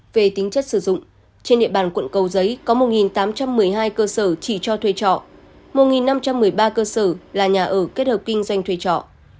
về tính chất sử dụng trên địa bàn quận cầu giấy có một tám trăm một mươi hai cơ sở chỉ cho thuê trọ một năm trăm một mươi ba cơ sở là nhà ở kết hợp kinh doanh thuê trọ